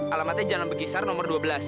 alamatnya jalan begisar nomor dua belas